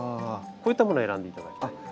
こういったものを選んで頂きたいです。